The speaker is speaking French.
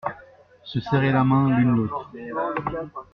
Se serrer la main l’une l’autre.